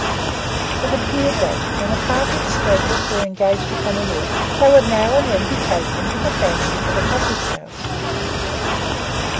It appeared that when a party of slaters were engaged upon a roof, they would now and then be taken with a fancy for the public house.